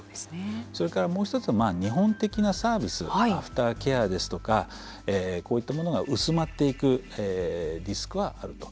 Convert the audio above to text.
それから、もう１つ日本的なサービスアフターケアですとかこういったものが薄まっていくリスクはあると。